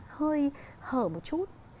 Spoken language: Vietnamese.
hơi hở một chút